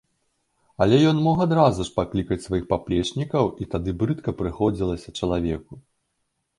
Але ён мог адразу ж паклікаць сваіх паплечнікаў, і тады брыдка прыходзілася чалавеку.